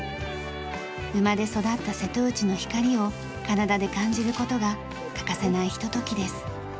生まれ育った瀬戸内の光を体で感じる事が欠かせないひとときです。